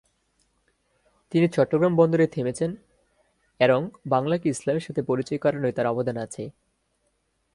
তিনি চট্টগ্রাম বন্দরে থেমেছেন এরং বাংলাকে ইসলামের সাথে পরিচয় করানোয় তার অবদান আছে।